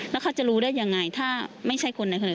แล้วเขาจะรู้ได้ยังไงถ้าไม่ใช่คนในอำเภอ